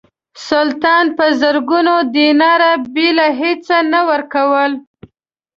سلطان په زرګونو دیناره بېله هیڅه نه ورکول.